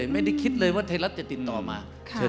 ไม่ได้คิดเลยว่าไทยรัฐจะติดต่อมา